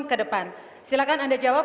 ke depan silahkan anda jawab